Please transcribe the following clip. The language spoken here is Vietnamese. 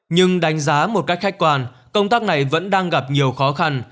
nhưng đánh giá một cách khách quan công tác này vẫn đang gặp nhiều khó khăn